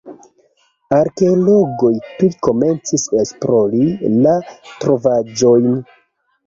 Arkeologoj tuj komencis esplori la trovaĵojn.